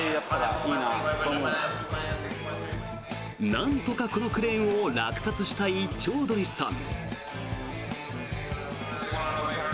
なんとかこのクレーンを落札したいチョウドリさん。